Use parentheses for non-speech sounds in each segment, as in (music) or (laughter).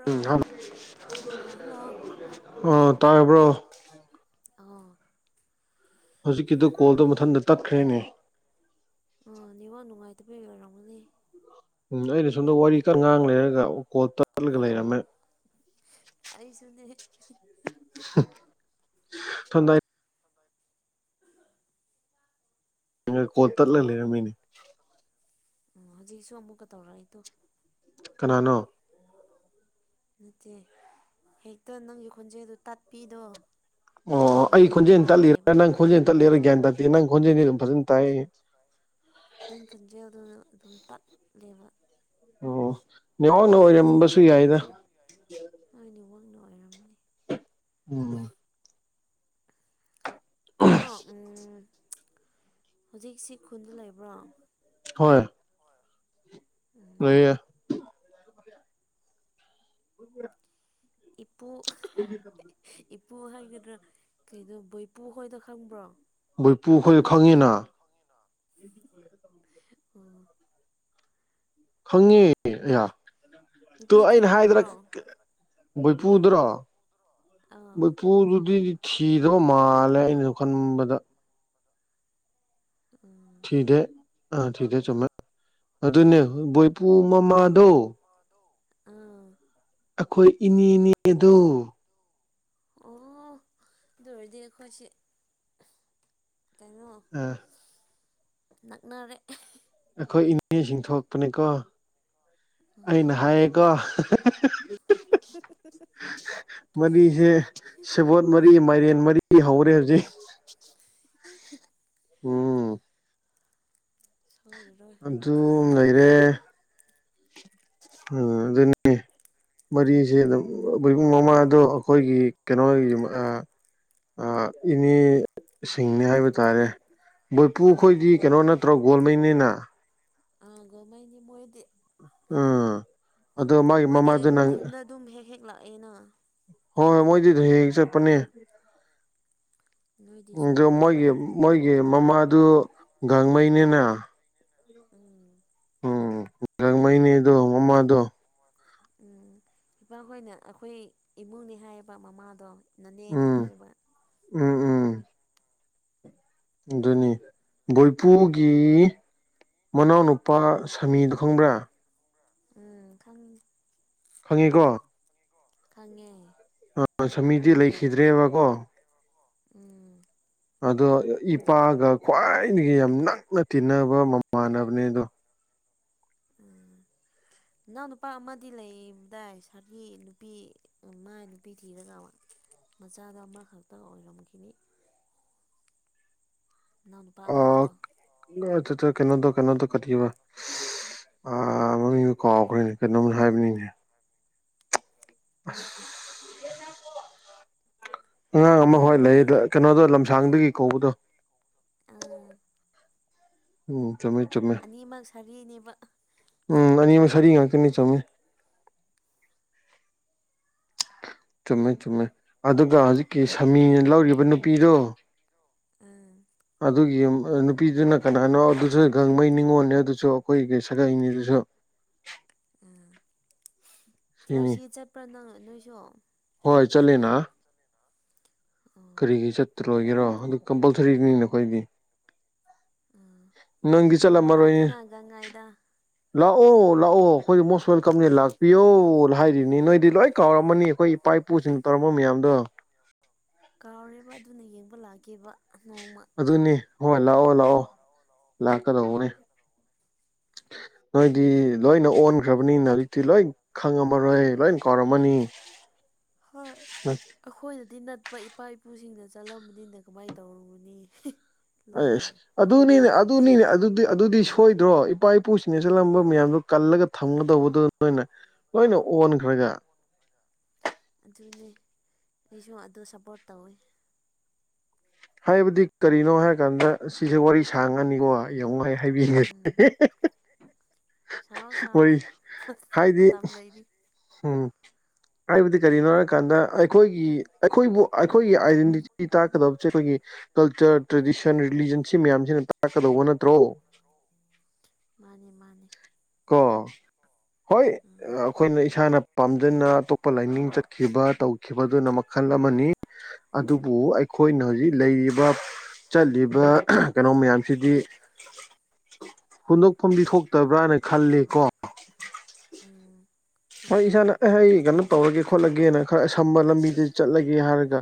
꯭ꯔꯣ ꯎꯝ ꯑ ꯍꯜꯂꯣ ꯑꯥ ꯇꯥꯔꯕ꯭ꯔꯣ (inaudible) ꯑꯣꯥ ꯍꯧꯖꯤꯛꯀꯤꯗ ꯀꯣꯜꯗꯣ ꯃꯊꯟꯇ ꯇꯠꯈ꯭ꯔꯦꯅꯦ ꯑꯅꯦꯋꯥ ꯅꯨꯡꯉꯥꯏꯇꯕ ꯑꯣꯏꯔꯝꯒꯅꯤ ꯎꯝ ꯑꯩꯅ ꯁꯣꯝꯗ ꯋꯥꯔꯤ ꯀ ꯉꯥꯡ ꯂꯩꯔꯒ ꯀꯣ ꯇꯠꯂꯒ ꯂꯩꯔꯝꯃꯦ ꯑꯩꯁꯨꯅꯦ ꯊꯗꯥ ꯑ ꯀꯣꯠ ꯇꯠꯂ ꯂꯩꯔꯝꯃꯤꯅꯦ ꯑꯣ ꯍꯧꯖꯤꯛꯁꯨ ꯑꯃꯨꯛꯀ ꯇꯧꯔꯛꯏꯗꯣ ꯀꯅꯥꯅꯣ ꯅꯠꯇꯦ ꯍꯦꯛꯇ ꯅꯪꯒꯤ ꯈꯣꯟꯖꯦꯜꯗꯨ ꯇꯥꯠꯄꯤꯗꯣ ꯑꯣ ꯑꯩ ꯈꯣꯟꯖꯦꯜ ꯇꯠꯂꯤꯔꯦ ꯅꯪ ꯈꯣꯟꯖꯦꯜ ꯇꯠꯂꯤꯔꯥ ꯒ꯭ꯌꯥꯟ ꯇꯥꯇꯦ ꯅꯪ ꯈꯣꯟꯖꯦꯜꯗꯤ ꯑꯗꯨꯝ ꯐꯖꯅ ꯇꯥꯏ ꯅꯪ ꯈꯟꯖꯩ ꯑꯗꯨꯅ ꯑꯗꯨꯝ ꯇꯥꯛꯂꯦꯕ ꯑꯣ ꯅꯉꯣꯟꯗ ꯑꯣꯏꯔꯝꯕꯁꯨ ꯌꯥꯏꯗ ꯍꯣꯏꯅꯦ ꯋꯥꯡꯅ ꯑꯣꯏꯔꯝꯅꯤ ꯑꯣ ꯀꯩꯅꯣ ꯍꯧꯖꯤꯛꯁꯤ ꯈꯨꯟꯗ ꯂꯩꯕ꯭ꯔꯣ ꯍꯣꯏ ꯎꯝ ꯂꯩꯌꯦ ꯏꯄꯣ ꯑꯩꯒꯤ ꯏꯄꯨ ꯍꯥꯏꯒꯗ꯭ꯔꯥ ꯀꯩꯅꯣ ꯕꯣꯏꯄꯨ ꯈꯣꯏꯅ ꯈꯪꯕ꯭ꯔꯣ ꯚꯣꯏꯄꯨ ꯑꯩꯈꯣꯏ ꯈꯪꯉꯤꯅ ꯑꯣ ꯈꯪꯉꯦ ꯑꯍ ꯇꯣ ꯅꯨꯄꯤ ꯑꯩꯅ ꯍꯥꯏꯗ꯭ꯔꯥ ꯊꯤꯈ꯭ꯔꯕ꯭ꯔꯣ ꯚꯩꯄꯨꯗ꯭ꯔꯣ ꯑꯥ ꯕꯩꯄꯨꯗꯨꯗꯤꯗꯤ ꯊꯤꯗꯕ ꯃꯥꯜꯂ ꯈꯜꯂꯦ ꯑꯩꯅꯁꯨ ꯈꯟꯕꯗ ꯎꯝ ꯊꯤꯗꯦ ꯑꯥ ꯊꯤꯗꯦ ꯆꯨꯝꯃꯦ ꯑꯗꯨꯅꯦ ꯕꯣꯏꯄꯨ ꯃꯃꯥꯗꯣ ꯃꯥꯗꯣ ꯑꯩꯈꯣꯏ ꯏꯅꯦꯅꯦ ꯑꯗꯨ ꯑꯣ ꯑꯗꯨ ꯑꯣꯏꯔꯗꯤ ꯑꯩꯈꯣꯏꯁꯦ ꯀꯩꯅꯣ ꯑꯥ ꯅꯛꯅꯔꯦ ꯑꯩꯈꯣꯏ ꯏꯅꯦꯁꯤꯡ ꯊꯣꯛꯄꯅꯦꯀꯣ ꯑꯩꯅ ꯎꯝ ꯍꯥꯏꯌꯦꯀꯣ ꯃꯔꯤꯁꯦ ꯁꯦꯕꯣꯠ ꯃꯔꯤ ꯃꯥꯏꯔꯦꯟ ꯃꯔꯤ ꯍꯧꯔꯦ ꯍꯧꯖꯤꯛ ꯍꯤ ꯎꯝ ꯁꯣꯏꯔꯔꯣꯏ ꯑꯗꯨ ꯊꯤꯖꯤꯂꯛꯑꯗꯤ ꯂꯩꯔꯦ ꯎꯝ ꯑꯗꯨꯅꯤ ꯃꯔꯤꯁꯦ ꯑꯗꯨꯝꯨꯡ ꯃꯃꯥꯗꯣ ꯑꯩꯈꯣꯏꯒꯤ ꯀꯩꯅꯣ ꯏꯅꯦ ꯁꯤꯡꯅꯤ ꯍꯥꯏꯕ ꯇꯥꯔꯦ ꯕꯣꯏꯄꯨ ꯑꯩꯈꯣꯏꯗꯤ ꯎꯝ ꯀꯩꯅꯣ ꯅꯠꯇ꯭ꯔꯣ ꯒꯣꯜꯃꯩꯅꯤꯅ ꯑꯥꯒ ꯃ ꯃꯣꯏꯗꯤ ꯎꯝ ꯑꯗꯣ ꯃꯥꯒꯤ ꯃꯣꯏꯗꯤ ꯃꯃꯥꯗ ꯅꯪ ꯈꯨꯟꯗ ꯑꯗꯨꯝ ꯍꯦꯛ ꯍꯦꯛ ꯂꯥꯛꯑꯦꯅ ꯍꯣꯏ ꯍꯣꯏ ꯃꯣꯏꯗꯤ ꯑꯗꯨ ꯍꯦꯛ ꯆꯠꯄꯅꯦ ꯅꯣꯏꯗꯤ ꯑ ꯁꯨꯡꯂꯥꯛ ꯃꯣꯏꯒꯤ ꯂꯥꯛꯈꯤꯗ꯭ꯔꯦ ꯃꯣꯏꯒꯤ ꯑꯩꯒꯤ ꯃꯃꯥꯗꯨ ꯒꯥꯡꯃꯩꯅꯤꯅ ꯎꯝ ꯑꯣ ꯒꯥꯡꯃꯩꯅ‌ꯦ ꯑꯗꯣ ꯃꯃꯥꯗꯣ (unintelligible) ꯎꯝ ꯏꯄꯥꯍꯣꯏꯅ ꯑꯩꯈꯣꯏ ꯏꯃꯨꯡꯅ‌ꯦ ꯍꯥꯏꯌ‌ꯦꯕ ꯃꯃꯥꯗꯣ ꯅꯅꯦꯅꯦ ꯎꯝ ꯍꯥꯏꯌ‌ꯦꯕ ꯎꯝ ꯎꯝ ꯑꯗꯨꯅꯤ ꯚꯣꯏꯄꯨꯒꯤ ꯃꯅꯥꯎꯅꯨꯄꯥ ꯁꯃꯤꯗ‌ꯣ ꯈꯪꯕ꯭ꯔꯥ ꯎꯝ ꯈꯪ ꯈꯪꯉꯤꯀꯣ ꯈꯪꯉꯦ ꯑ ꯁꯃꯤꯗꯤ ꯂꯩꯈꯤꯗ꯭ꯔꯦꯕꯀꯣ ꯎꯝ ꯑꯗꯣ ꯏꯄꯥꯒ ꯈ꯭ꯋꯥꯏꯗꯒꯤ ꯌꯥꯝ ꯅꯛꯅ ꯇꯤꯟꯅꯕ ꯃꯃꯥꯟꯅꯕꯅꯦ ꯑꯗꯣ ꯎꯝ ꯅꯅꯥꯎ ꯅꯨꯄꯥ ꯑꯃꯗꯤ ꯂꯩꯕꯗꯥꯏ ꯁꯥꯔꯒꯤ ꯅꯨꯄꯤ ꯃꯥꯏ ꯅꯨꯄꯤ ꯊꯤꯔꯒ ꯃꯆꯥꯗꯣ ꯑꯃꯈꯛꯇ ꯑꯣꯏꯔꯝꯈꯤꯅꯤ ꯅꯅꯥꯎ ꯅꯨꯄꯥ ꯑꯃꯗꯣ ꯑ (unintelligible) ꯀꯩꯅꯣꯗ‌ꯣ ꯀꯩꯅꯣꯗꯣ ꯀꯔꯤꯕ ꯑꯥ‌ ꯃꯃꯤꯡꯗꯨ ꯀꯥꯎꯈ꯭ꯔꯦꯅꯦ ꯀꯩꯅꯣꯝ ꯍꯥꯏꯕꯅꯤꯅꯦ ꯑꯁꯁꯁꯁꯁꯁ ꯑꯉꯥꯡ ꯑꯃ ꯍꯣꯏ ꯃꯃꯤꯡꯗꯨꯗꯤ ꯂꯩꯌ‌ꯦ ꯀꯩꯅꯣꯗꯣ ꯂꯝꯁꯥꯡꯗꯒꯤ ꯀꯧꯕꯗꯣ ꯑꯥ ꯎꯝ ꯆꯨꯝꯃꯦ ꯆꯨꯝꯃꯦ ꯑꯅꯤꯃꯛ ꯁꯥꯔꯤꯅꯦꯕ ꯎꯝ ꯑꯅꯤꯃꯛ ꯁꯥꯔꯤ ꯉꯥꯛꯇꯅ‌ꯦ ꯆꯨꯝꯃ‌ꯦ ꯆꯨꯝꯃꯦ ꯆꯨꯝꯃꯦ ꯑꯗꯨꯒ ꯍꯧꯖꯤꯛꯀꯤ ꯁꯃꯤꯅ ꯂꯧꯔꯤꯕ ꯅꯨꯄꯤꯗꯣ ꯑꯥ ꯑꯗꯨꯒꯤ ꯅꯨꯄꯤꯗꯨꯅ ꯀꯅꯥꯅꯣ ꯑꯗꯨꯁꯨ ꯒꯥꯡꯃꯩ ꯅꯤꯡꯉꯣꯜꯅꯦ ꯑꯗꯨꯁꯨ ꯑꯩꯈꯣꯏꯒꯤ ꯁꯥꯒꯩꯅꯤꯗꯨꯁꯨ ꯑꯥ ꯁꯤꯅꯤ ꯇꯤꯔꯁꯤ ꯆꯠꯄ꯭ꯔꯥ ꯅꯪ ꯅꯣꯏꯁꯨ ꯍꯣꯏ ꯆꯠꯂꯤꯅꯥ ꯀꯔꯤꯒꯤ ꯆꯠꯇꯔꯣꯏꯒꯦꯔꯣ ꯑꯗꯨ ꯀꯝꯄꯜꯁꯔꯤꯅꯤ ꯅ‌ꯦ ꯑꯩꯈꯣꯏꯗꯤ ꯑꯥ ꯅꯪꯗꯤ ꯆꯠꯂꯝ ꯅꯣꯡꯃ ꯃꯔꯣꯏꯌ‌ꯦ ꯂꯥꯛꯀꯦꯅ ꯒꯪꯒꯥꯏꯗ ꯂꯥꯛꯑꯣ ꯂꯥꯛꯑꯣ ꯑꯩꯈꯣꯏꯗꯤ ꯃꯣꯁ ꯋꯦꯜꯀꯝꯅꯦ ꯂꯥꯛꯄꯤꯌꯣ ꯍꯥꯏꯔꯤꯅꯤ ꯅꯣꯏꯗꯤ ꯂꯣꯏ ꯀꯥꯎꯔꯝꯃꯅꯤ ꯑꯩꯈꯣꯏ ꯏꯄꯥ ꯏꯄꯨꯁꯤꯡ ꯇꯧꯔꯝꯕ ꯃꯌꯥꯝꯗꯣ ꯀꯥꯎꯔꯦꯕ ꯑꯗꯨꯅ ꯌꯦꯡꯕ ꯂꯥꯛꯀ‌ꯦꯕ ꯑꯗꯨꯅꯦ ꯍꯣꯏ ꯂꯥꯛꯑꯣ ꯂꯥꯛꯑꯣ ꯂꯥꯛꯀꯗꯧꯕꯅꯦ ꯅꯣꯏꯗꯤ ꯂꯣꯏꯅ ꯑꯣꯟꯈ꯭ꯔꯕꯅꯤꯅ ꯍꯧꯖꯤꯛꯇꯤ ꯂꯣꯏ ꯈꯪꯉꯝꯃꯔꯣꯏ ꯂꯣꯏ ꯀꯥꯎꯔꯝꯃꯅꯤ ꯍꯣꯏ ꯑꯩꯈꯣꯏꯅꯗꯤ ꯅꯠꯄ ꯏꯄꯥ ꯏꯄꯨꯁꯤꯡꯅ ꯆꯠꯂꯝꯕꯅꯤꯅ ꯀꯃꯥꯏꯅ ꯇꯧꯔꯨꯔꯅꯤ ꯑꯁ ꯑꯗꯨ ꯅꯤꯅꯦ ꯑꯗꯨ ꯅꯤꯅꯦ ꯑꯗꯨꯗꯤ ꯑꯗꯨꯗꯤ ꯁꯣꯏꯗ꯭ꯔꯣ ꯏꯄꯥ ꯏꯄꯨꯁꯤꯡꯅ ꯆꯠꯂꯝꯕ ꯃꯌꯥꯝꯗꯣ ꯀꯜꯂꯒ ꯊꯝꯒꯗꯧꯕꯗꯨ ꯅꯣꯏꯅ ꯂꯣꯏꯅ ꯑꯣꯟꯈ꯭ꯔꯒ ꯑꯗꯨꯅꯦ ꯑꯩꯁꯨ ꯑꯗꯨ ꯁꯞꯄꯣꯔꯠ ꯇꯧꯋꯦ ꯍꯥꯏꯕꯗꯤ ꯀꯔꯤꯅꯣ ꯍꯥꯏꯔꯀꯥꯟꯗ ꯁꯤꯗꯤ ꯋꯥꯔꯤ ꯁꯥꯡꯉꯅꯤꯀꯣ ꯑꯩ ꯌꯥꯝ ꯋꯥꯏ ꯍꯥꯏꯕꯤꯒ‌ꯦ ꯎꯝ ꯁꯥꯎ ꯁꯥꯎ ꯃꯇꯝ ꯂꯩꯔꯤ ꯍꯝ ꯍꯥꯏꯕꯗꯤ ꯀꯔꯤꯅꯣ ꯍꯥꯏꯔꯀꯥꯟꯗ ꯑꯩꯈꯣꯏꯒꯤ ꯑꯩꯈꯣꯏꯕꯨ ꯑꯩꯈꯣꯏꯒꯤ ꯑꯥꯏꯗꯦꯟꯇꯤꯇꯤ ꯇꯥꯛꯀꯗꯕ ꯑꯩꯈꯣꯏꯒꯤ ꯀꯜꯆꯔ ꯇ꯭ꯔꯦꯗꯤꯁꯟ ꯔꯤꯂꯤꯖꯟ ꯁꯤ ꯃꯌꯥꯝꯁꯤꯅ ꯇꯥꯛꯀꯗꯧꯕ ꯅꯠꯇ꯭ꯔꯣ (inaudible) ꯃꯥꯅꯤ ꯃꯥꯅꯦ ꯀ ꯍꯣꯏ ꯎꯝ ꯑꯩꯈꯣꯏꯅ ꯏꯁꯥꯅ ꯄꯥꯝꯖꯅ ꯑꯇꯣꯞꯄ ꯂꯥꯏꯅꯤꯡ ꯆꯠꯈꯤꯕ ꯇꯧꯈꯤꯕꯗꯨꯅ ꯃꯈꯜ ꯑꯃꯅꯤ ꯑꯗꯨꯕꯨ ꯑꯩꯈ ꯑꯩꯈꯣꯏꯅ ꯍꯧꯖꯤꯛ ꯂꯩꯔꯤꯕ ꯆꯠꯂꯤꯕ ꯀꯩꯅꯣ ꯃꯌꯥꯝꯁꯤꯗꯤ ꯍꯨꯟꯗꯣꯛꯐꯝꯗꯤ ꯊꯣꯛꯇꯕ꯭ꯔꯥꯅ ꯈꯜꯂꯤ ꯀꯣ ꯎꯝ ꯍꯣꯏ ꯆꯨꯝꯃꯦ ꯏꯁꯥꯅ ꯑꯦ ꯑꯩ ꯀꯩꯅꯣ ꯇꯧꯔꯒꯦ ꯈꯣꯠꯂꯒꯦꯅ ꯈꯔꯁꯝꯕ ꯂꯝꯕꯤꯗ ꯆꯠꯂꯒꯦ ꯍꯥꯏꯔꯒ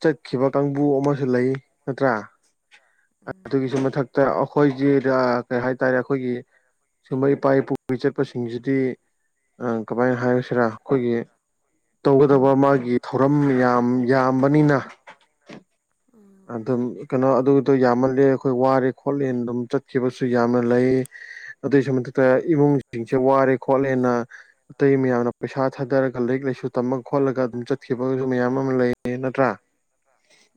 ꯆꯠꯈꯤꯕ ꯀꯥꯡꯕꯨ ꯑꯃꯁꯨ ꯂꯩ ꯅꯠꯇ꯭ꯔꯥ ꯎꯝ ꯑꯗꯨꯒꯤꯁꯨ ꯃꯊꯛꯇ ꯑꯩꯈꯣꯏꯁꯤꯦ ꯀꯩ ꯍꯥꯏꯇꯥꯔꯦ ꯑꯩꯈꯣꯏꯒꯤ ꯁꯤꯒꯨꯝꯕ ꯏꯄꯥ ꯏꯄꯨꯒꯤ ꯆꯠꯄꯁꯤꯡꯁꯤꯗꯤ ꯀꯃꯥꯏꯅ ꯍꯥꯏꯁꯤꯔꯥ ꯑꯩꯈꯣꯏꯒꯤ ꯇꯧꯒꯗꯕ ꯃꯥꯒꯤ ꯊꯧꯔꯝ ꯌꯥꯝ ꯌꯥꯝꯕꯅꯤꯅ ꯊꯝꯕꯅꯤꯅ ꯎꯝ ꯑꯗꯨꯝ ꯀꯩꯅꯣ ꯑꯗꯨꯒꯤꯗꯣ ꯌꯥꯝꯃꯜꯂꯦ ꯑꯩꯈꯣꯏ ꯋꯥꯔꯦ ꯈꯣꯠꯂꯦ ꯑꯗꯨꯝ ꯆꯠꯈꯤꯕꯁꯨ ꯌꯥꯝꯅ ꯂꯩ ꯑꯗꯨꯏꯁꯨ ꯃꯊꯛꯇ ꯏꯃꯨꯡꯁꯤꯡꯁꯦ ꯋꯥꯔꯦ ꯈꯣꯠꯂꯦꯅ ꯑꯇꯩ ꯃꯌꯥꯝꯅ ꯄꯩꯁꯥ ꯊꯥꯗꯔꯒ ꯂꯥꯏꯔꯤꯛ ꯂꯥꯏꯁꯨ ꯇꯝꯃ ꯈꯣꯠꯂꯒ ꯑꯗꯨꯝ ꯆꯠꯈꯤꯕꯒꯁꯨ ꯃꯌꯥꯝ ꯑꯃ ꯂꯩꯌꯦ ꯅꯠꯇ꯭ꯔꯥ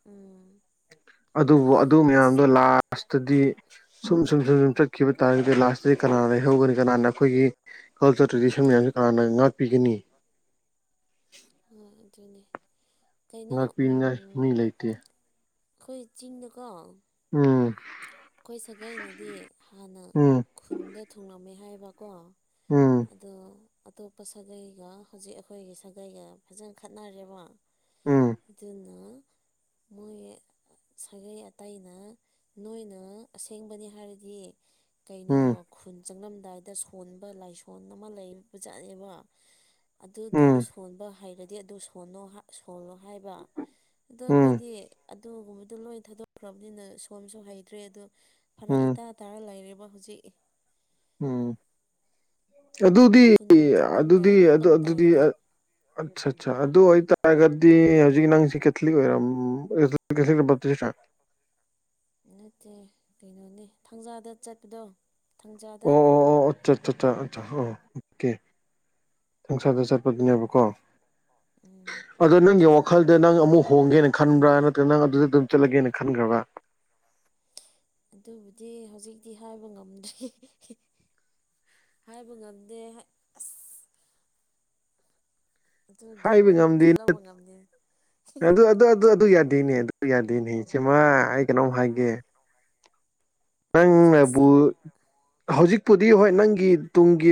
ꯎꯝ ꯑꯗꯨꯕꯨ ꯑꯗꯨ ꯑꯁ ꯃꯌꯥꯝꯗꯣ ꯂꯥꯁꯇꯗꯤ ꯁꯨꯝ ꯁꯨꯝ ꯁꯨꯝ ꯁꯨꯝ ꯆꯠꯈꯤꯕ ꯇꯥꯔꯒꯗꯤ ꯂꯥꯁꯇ ꯀꯅꯥꯅ ꯂꯩꯍꯧꯒꯅꯤ ꯀꯅꯥꯅ ꯑꯩꯈꯣꯏꯒꯤ ꯀꯜꯆꯔ ꯇ꯭ꯔꯦꯗꯤꯁꯟ ꯃꯌꯥꯝꯁ ꯀꯅꯥꯅ ꯉꯥꯛꯄꯤꯒꯅꯤ ꯍꯣꯏ ꯑꯗꯨꯅꯦ ꯀꯩꯅꯣ ꯎꯝ ꯉꯥꯛꯄꯤꯅꯤꯉꯥꯏ ꯃꯤ ꯂꯩꯇꯦ ꯑꯩꯈꯣꯏ ꯆꯤꯡꯗꯀꯣ ꯎꯝ ꯑꯩꯈꯣꯏ ꯁꯥꯒꯩꯅꯗꯤ ꯍꯥꯟꯅ ꯎꯝ ꯈꯨꯟꯗ ꯊꯨꯡꯉꯂꯝꯃꯦ ꯍꯥꯏꯕꯀꯣ ꯎꯝ ꯑꯗꯣ ꯑꯇꯣꯞꯄ ꯁꯥꯒꯩꯒ ꯍꯧꯖꯤꯛ ꯑꯩꯈꯣꯏꯒꯤ ꯁꯥꯒꯩꯒ ꯐꯖꯅ ꯈꯠꯅꯔꯦꯕ ꯎꯝ ꯑꯗꯨꯅ ꯃꯣꯏ ꯁꯥꯒꯩ ꯑꯇꯩꯅ ꯅꯣꯏꯅ ꯅꯪ ꯑꯁꯦꯡꯕꯅꯤ ꯍꯥꯏꯔꯗꯤ ꯀꯩꯅꯣ ꯎꯝ ꯈꯨꯟ ꯆꯪꯂꯝꯗꯥꯏꯗ ꯁꯣꯟꯕ ꯂꯥꯏꯁꯣꯟ ꯑꯃ ꯂꯩꯕꯖꯥꯠꯅꯦꯕ ꯑꯗꯨꯗꯣ ꯎꯝ ꯁꯣꯟꯕ ꯍꯩꯔꯗꯤ ꯑꯗꯨ ꯁꯣꯟꯅꯣ ꯁꯣꯜꯂꯣ ꯍꯥꯏꯕ ꯑꯗꯣ ꯎꯝ ꯑꯩꯈꯣꯏꯗꯤ ꯑꯗꯨꯒꯨꯝꯕꯗꯣ ꯂꯣꯏ ꯊꯥꯗꯣꯛꯈ꯭ꯔꯕꯅꯤꯅ ꯁꯣꯝꯁꯨ ꯍꯩꯇ꯭ꯔꯦ ꯑꯗꯣ ꯐꯅꯛ ꯎꯝ ꯏꯇꯥ ꯇꯥꯔ ꯂꯩꯔꯦ ꯍꯧꯖꯤꯛ ꯎꯝ ꯑꯗꯨꯗꯤ ꯈꯨꯟ ꯆꯪꯂꯝꯗꯥꯏ ꯑꯗꯨꯗꯤ ꯑꯗꯨ ꯑꯗꯨꯗꯤ ꯈꯣꯠꯂꯝꯗꯥꯏꯗ ꯑꯠꯆꯥ ꯑꯠꯆꯥ ꯑꯗꯨ ꯑꯣꯏꯇꯥꯔꯒꯗꯤ ꯍꯧꯖꯤꯛ ꯅꯪꯁꯤ ꯀꯦꯊꯂꯤꯛ ꯑꯣꯏꯔꯝ ꯅꯠꯇꯦ ꯀꯩꯅꯣꯅꯦ ꯊꯥꯡꯖꯥꯗ ꯆꯠꯄꯗꯣ ꯊꯥꯡꯖꯥꯗ ꯆꯠ ꯆ ꯆ ꯑ ꯑꯣꯀꯦ ꯊꯪꯁꯥꯗ ꯆꯠꯄꯗꯨꯅꯦꯕꯀꯣ ꯎꯝ ꯑꯗꯣ ꯅꯪꯒꯤ ꯋꯥꯈꯜꯗ ꯅꯪ ꯑꯃꯨꯛ ꯍꯣꯡꯒꯦꯅ ꯈꯟꯕ꯭ꯔꯥ ꯅꯠꯇ꯭ꯔꯒ ꯅꯪ ꯑꯗꯨꯗ ꯑꯗꯨꯝ ꯆꯠꯂꯒꯦꯅ ꯈꯟꯈ꯭ꯔꯕ꯭ꯔꯥ ꯑꯗꯨꯕꯨꯗꯤ ꯍꯧꯖꯤꯛꯇꯤ ꯍꯥꯏꯕ ꯉꯝꯗ꯭ꯔꯤ ꯍꯥꯏꯕ ꯉꯝꯗꯦ ꯑꯁ ꯑꯗꯨꯒꯤ ꯍꯥꯏꯕ ꯉꯝꯗꯦ ꯋꯥꯔꯦꯞꯇꯤ ꯂꯧꯕ ꯉꯝꯅꯤ ꯑꯗꯨ ꯑꯗꯨ ꯑꯗꯨ ꯑꯗꯨ ꯌꯥꯗꯦꯅꯦ ꯑꯗꯨ ꯌꯥꯗꯦꯅꯤ ꯏꯆꯦꯃ ꯑꯩ ꯀꯩꯅꯣꯝ ꯍꯥꯏꯒꯦ ꯣꯡꯉꯥꯏꯒ ꯅꯪ ꯑꯕꯨ ꯍꯧꯖꯤꯛꯄꯨꯗꯤ ꯍꯣꯏ ꯅꯪꯒꯤ ꯇꯨꯡꯒꯤ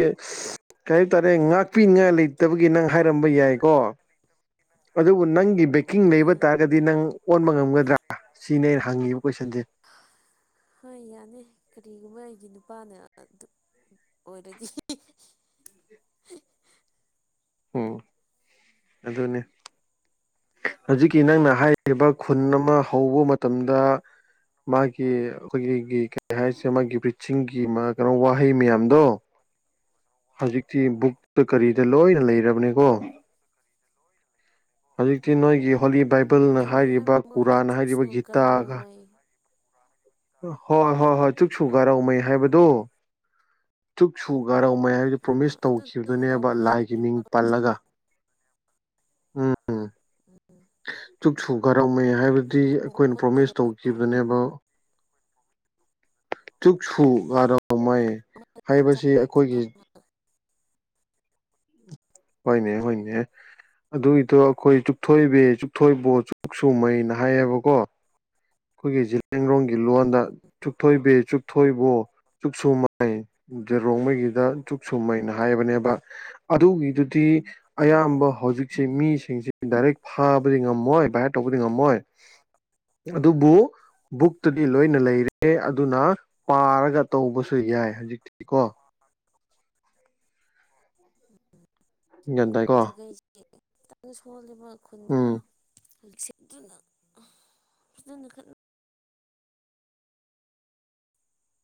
ꯀꯩ ꯍꯥꯏꯇꯥꯔꯦ ꯉꯥꯛꯄꯤꯅꯤꯉꯥꯏ ꯂꯩ ꯐꯠꯇꯕꯒꯤ ꯅꯪ ꯍꯥꯏꯔꯝꯕ ꯌꯥꯏꯀꯣ ꯑꯗꯨꯕꯨ ꯅꯪꯒꯤ ꯕꯦꯛꯀꯤꯡ ꯂꯩꯕ ꯎꯝ ꯇꯥꯔꯒꯗꯤ ꯅꯪ ꯑꯣꯟꯕ ꯉꯝꯒꯗ꯭ꯔꯥ ꯁꯤꯅꯦ ꯑꯩꯅ ꯍꯪꯉꯤꯕ ꯀꯣꯏꯁꯟꯁꯦ ꯍꯣꯏ ꯌꯥꯅꯤ ꯀꯔꯤꯒꯨꯝꯕ ꯑꯩꯒꯤ ꯅꯨꯄꯥꯅ ꯑꯗꯨ ꯑꯣꯏꯔꯗꯤ ꯎꯝ ꯑꯗꯨꯅꯦ ꯍꯧꯖꯤꯛꯀꯤ ꯅꯪꯅ ꯍꯥꯏ ꯕ ꯈꯨꯟ ꯑꯃ ꯍꯧꯕ ꯃꯇꯝꯗ ꯃꯥꯒꯤ ꯑꯈꯣꯏꯒꯤ ꯀꯩ ꯍꯥꯏꯁꯦ ꯃꯥꯒꯤ ꯕ꯭ꯔꯤꯠꯁꯤꯡꯒꯤ ꯃꯥ ꯀꯩꯅꯣ ꯋꯥꯍꯩ ꯃꯌꯥꯝꯗꯣ ꯍꯧꯖꯤꯛꯇꯤ ꯕꯨꯛꯇ ꯎꯝ ꯀꯔꯤꯗ ꯂꯣꯏꯅ ꯂꯩꯔꯕꯅꯦꯀꯣ ꯍꯧꯖꯤꯛꯇꯤ ꯅꯣꯏꯒꯤ ꯍꯣꯂꯤ ꯕꯥꯏꯕꯜꯅ ꯀꯔꯤ ꯍꯥꯏꯕ ꯍꯥꯏꯔꯤꯕ ꯃꯣꯏꯅ ꯀꯨꯔꯥꯟ ꯆꯨꯛꯁꯨ ꯍꯥꯏꯔꯤꯕ ꯒꯤꯇꯥꯒ (unintelligible) ꯍꯣꯏ ꯍꯣꯏ ꯍꯣꯏ ꯆꯨꯛ ꯁꯨꯨꯒꯥꯔꯧꯃꯩ ꯍꯥꯏꯕꯗꯣ ꯁꯨꯨꯒꯥꯔꯧꯃꯩ ꯍꯥꯏꯕꯗꯨ ꯑ ꯄ꯭ꯔꯣꯃꯤꯁ ꯑꯗꯨꯗꯣ ꯇꯧꯈꯤꯕꯗꯨꯅꯦꯕ ꯇꯧꯕ ꯂꯥꯏꯒꯤ ꯃꯤꯡ ꯍꯩꯇꯦꯕ ꯄꯜꯂꯒ ꯄꯜꯂꯒ ꯎꯝ ꯆꯨꯛꯁꯨꯒꯥꯔꯧꯃꯩ ꯍꯥꯏꯕꯗꯤ ꯑꯩꯈꯣꯏꯅ ꯄ꯭ꯔꯣꯃꯤꯁ ꯇꯧ ꯈꯤꯕꯅꯦꯕ ꯆꯨꯛꯁꯨꯨꯒꯥꯔꯧ ꯄꯧꯃꯥꯏ ꯍꯥꯏꯕꯁꯤ ꯑꯩꯈꯣꯏꯒꯤ ꯍꯣꯏꯅꯦ ꯍꯣꯏꯅꯦ ꯑꯗꯨꯒꯤꯗꯣ ꯑꯩꯈꯣꯏ ꯆꯨꯞꯊꯣꯏꯕꯦ ꯆꯨꯞꯊꯣꯏꯕꯣ ꯆꯛꯁꯨꯨꯝꯃꯩꯅ ꯍꯥꯏꯌꯦꯕꯀꯣ ꯑꯩꯈꯣꯏꯒꯤ ꯖꯦꯂꯤꯌꯥꯡꯔꯣꯡꯒꯤ ꯂꯣꯟꯗ ꯆꯨꯞꯊꯣꯏꯕꯤ ꯆꯨꯞꯊꯣꯏꯕꯣ ꯆꯛꯁꯨꯨꯃꯩ ꯔꯣꯡꯃꯩꯒꯤꯗ ꯆꯨꯛ ꯁꯨꯝꯃꯩꯅ ꯍꯥꯏꯕꯅꯦꯕ ꯑꯗꯨꯒꯤꯗꯨ ꯇꯤ ꯑꯌꯥꯝꯕ ꯍꯧꯖꯤꯛꯁꯦ ꯃꯤꯁꯤꯡꯁꯦ ꯗꯥꯏꯔꯦꯛ ꯐꯥꯕꯗꯤ ꯉꯝꯃꯣꯏ ꯚꯥꯏꯍꯥꯔꯠ ꯇꯧꯕꯗꯤ ꯉꯝꯃꯣꯏ ꯑꯗꯨꯕꯨ ꯕꯨꯛꯇꯗꯤ ꯂꯣꯏꯅ ꯂꯩꯔꯦ ꯑꯗꯨꯅ ꯄꯥꯔꯒ ꯇꯧꯕꯁꯨ ꯌꯥꯏ ꯍꯧꯖꯤꯛꯇꯤ ꯀꯣ (inaudible) ꯒ꯭ꯌꯥꯟ ꯇꯥꯏ ꯁꯥꯒꯩꯁꯦ ꯈꯤꯇꯪ ꯁꯣꯜꯂꯤꯕ ꯈꯨꯟꯗꯀꯣ ꯎꯝ (unintelligible) ꯑꯥ ꯐꯖꯅ ꯈꯠꯅ